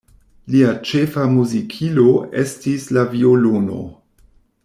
Lia ĉefa muzikilo estis la violono.